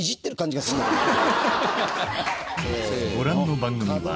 ご覧の番組は